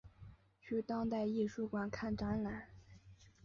去当代艺术馆看展览